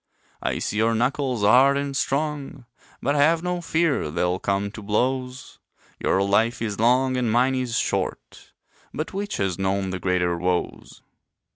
I see your knuckles hard and strong, But have no fear they'll come to blows; Your life is long, and mine is short, But which has known the greater woes?